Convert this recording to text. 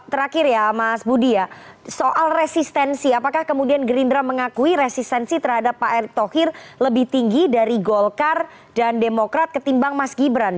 terakhir ya mas budi ya soal resistensi apakah kemudian gerindra mengakui resistensi terhadap pak erick thohir lebih tinggi dari golkar dan demokrat ketimbang mas gibran